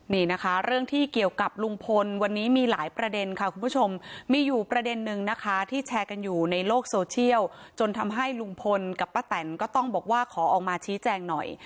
นี่นะคะเรื่องที่เกี่ยวกับลุงพลวันนี้มีหลายประเด็นค่ะคุณผู้ชมมีอยู่ประเด็นนึงนะคะที่แชร์กันอยู่ในโลกโซเชียลจนทำให้ลุงพลกับป้าแตนก็ต้องบอกว่าขอออกมาชี้แจงหน่อย